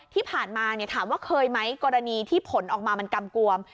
ที่ผ่านมาถามว่าเคยไหมกรณีที่ผลออกมามันกำกวม